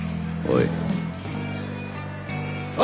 おい！